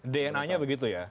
dna nya begitu ya